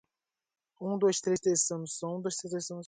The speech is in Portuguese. Tagaçaba é um vilarejo que pertence ao município de Guaraqueçaba.